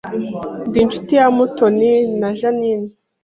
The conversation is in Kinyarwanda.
Ndi inshuti ya Mutoni na Jeaninne